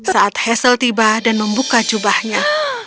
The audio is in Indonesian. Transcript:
saat hazel tiba dan membuka jubahnya